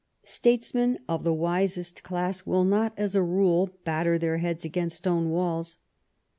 Statesmen of the wisest class will not, as a rule, batter their heads against stone walls.